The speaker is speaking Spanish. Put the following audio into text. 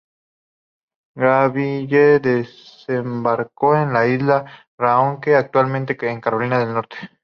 Grenville desembarcó en isla Roanoke, actualmente Carolina del Norte.